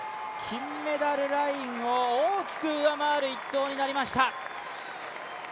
金メダルラインを大きく上回る一投になりました。